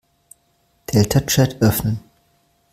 Deltachat öffnen.